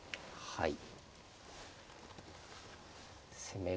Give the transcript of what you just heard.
はい。